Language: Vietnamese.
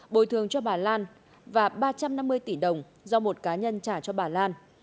bồi thường cho bà lan và ba trăm năm mươi tỷ đồng do một cá nhân trả cho bà lan